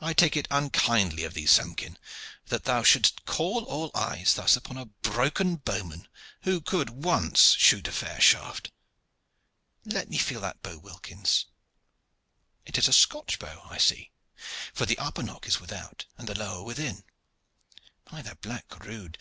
I take it unkindly of thee, Samkin, that thou shouldst call all eyes thus upon a broken bowman who could once shoot a fair shaft. Let me feel that bow, Wilkins! It is a Scotch bow, I see, for the upper nock is without and the lower within. By the black rood!